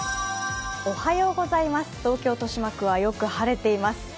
東京・豊島区はよく晴れています。